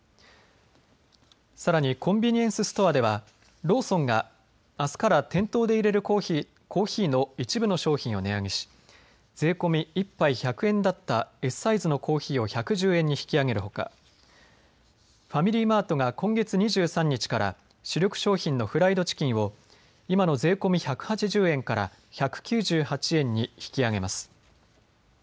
さらにコンビニエンスストアではローソンがあすから店頭で入れるコーヒーの一部の商品を値上げし税込み１杯１００円だったＳサイズのコーヒーを１１０円に引き上げるほか、ファミリーマートが今月２３日から主力商品のフライドチキンを今の税込み１８０円から１９８円に引き上げます。